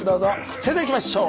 それではいきましょう。